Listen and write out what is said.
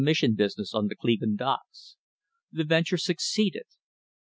mission business on the Cleveland docks. The venture suc ceeded.